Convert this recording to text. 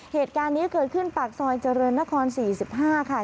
เหตุการณ์นี้เกิดขึ้นปากซอยเจริญนคร๔๕ค่ะ